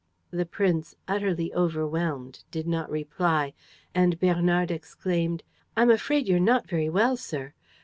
The prince, utterly overwhelmed, did not reply; and Bernard exclaimed: "I'm afraid you're not very well, sir.